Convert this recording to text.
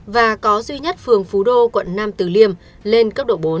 và có duy nhất phường phú đô quận năm từ liêm lên cấp độ bốn